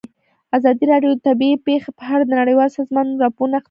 ازادي راډیو د طبیعي پېښې په اړه د نړیوالو سازمانونو راپورونه اقتباس کړي.